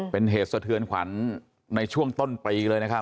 เป็นเหตุสะเทือนขวัญในช่วงต้นปีเลยนะครับ